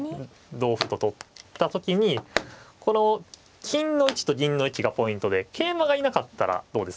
同歩と取った時にこの金の位置と銀の位置がポイントで桂馬がいなかったらどうです？